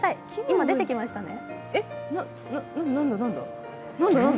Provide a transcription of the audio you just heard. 今、出てきましたね。